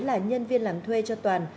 là nhân viên lắng thuê cho toàn